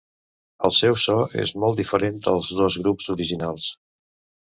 El seu so és molt diferent dels dos grups originals.